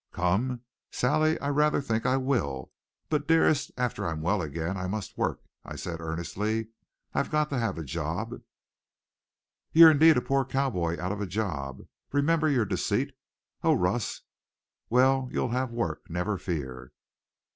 "Come! Sally, I rather think I will. But, dearest, after I'm well again I must work," I said earnestly. "I've got to have a job." "You're indeed a poor cowboy out of a job! Remember your deceit. Oh, Russ! Well, you'll have work, never fear."